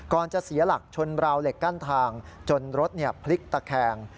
จะเสียหลักชนราวเหล็กกั้นทางจนรถพลิกตะแคง